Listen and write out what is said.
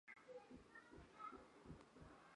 厄利斯的皮浪被认为是怀疑论鼻祖。